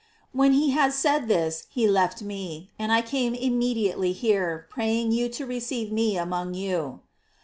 When he had said this he left me, and I came immediately here, praying you to receive me among you."